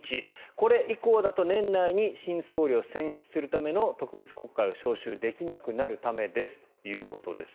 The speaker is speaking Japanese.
これ以降だと年内に新総理を選出するための特別国会を召集できなくなるためですということです。